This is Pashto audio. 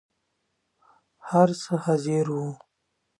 هر څه حاضر وو.